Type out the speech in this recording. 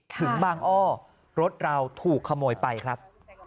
ถึงบางอ้อรถเราถูกขโมยไปครับ